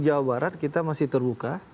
jawa barat kita masih terbuka